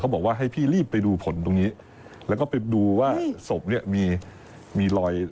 บอกว่าให้พี่รีบไปดูผลตรงนี้แล้วก็ไปดูว่าศพเนี่ยมีมีรอย